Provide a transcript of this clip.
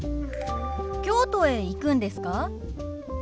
京都へ行くんですか？